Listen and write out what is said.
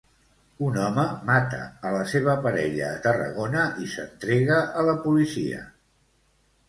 Un home mata la seva parella a Tarragona i s'entrega a la policia.